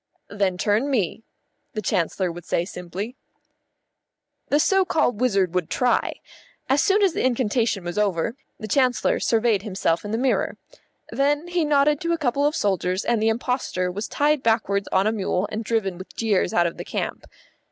"Then turn me," the Chancellor would say simply. The so called wizard would try. As soon as the incantation was over, the Chancellor surveyed himself in the mirror. Then he nodded to a couple of soldiers, and the impostor was tied backwards on to a mule and driven with jeers out of the camp.